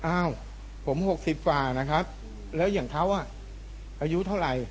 อ้าวผม๖๐กว่านะครับแล้วอย่างเขาอายุเท่าไหร่